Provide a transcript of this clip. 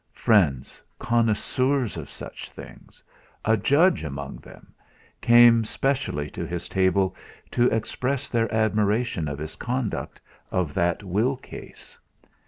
Friends, connoisseurs of such things a judge among them came specially to his table to express their admiration of his conduct of that will case.